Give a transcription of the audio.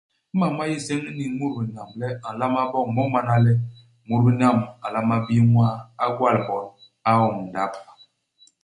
Imam ma yé nseñ i niñ i mut binam le a nlama boñ, mo mana le, mut binam a nlama bii ñwaa, a gwal bon, a oñ ndap.